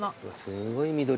すごい緑。